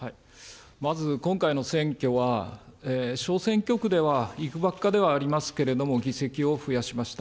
まず今回の選挙は、小選挙区では、いくばくかではありますけれども、議席を増やしました。